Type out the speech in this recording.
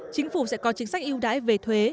chính phủ sẽ có chính sách yêu đãi về thuế